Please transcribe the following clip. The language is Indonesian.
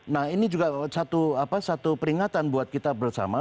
nah ini juga satu peringatan buat kita bersama